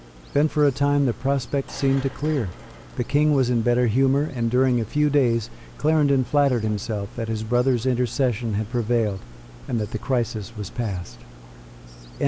Then for a time the prospect seemed to clear; the King was in better humour; and during a few days Clarendon flattered himself that his brother's intercession had prevailed, and that the crisis was passed.